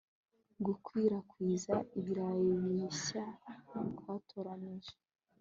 Gukwirakwiza ibirayi bishya twatoranije